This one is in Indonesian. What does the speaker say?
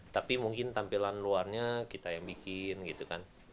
tapi mungkin tampilan luarnya kita yang bikin gitu kan